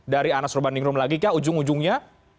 dari anas ruban ningrum lagi kah ujung ujungnya